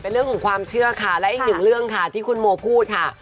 เรื่องของความเชื่อค่ะและอีกหนึ่งเรื่องค่ะที่คุณโมพูดค่ะ